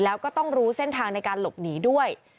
แล้วก็ต้องรู้เส้นทางในการหลบหนีด้วย